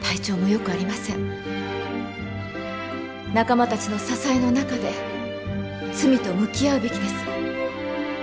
仲間たちの支えの中で罪と向き合うべきです。